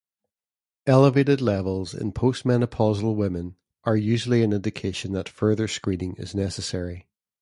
Elevated levels in post-menopausal women are usually an indication that further screening is necessary.